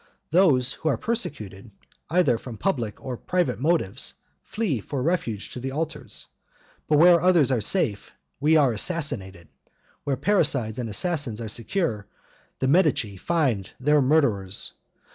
Those who are persecuted, either from public or private motives, flee for refuge to the altars; but where others are safe, we are assassinated; where parricides and assassins are secure, the Medici find their murderers.